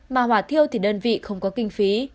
mà hỏa thiêu thì đơn vị không có kinh phí